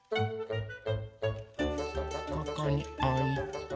ここにおいて。